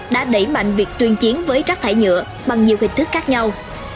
đã đẩy mạnh việc tuyên chiến với rác thải nhựa bằng nhiều hình thức khác nhau